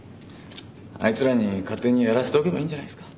あいつらに勝手にやらせておけばいいんじゃないですか？